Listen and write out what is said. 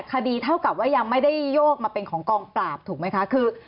เท่ากับว่ายังไม่ได้โยกมาเป็นของกองปราบถูกไหมคะคือ